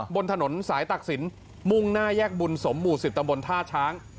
บนถนนสายตักศิลปมุ่งหน้าแยกบุญสมหมู่๑๐ตำบลท่าช้าง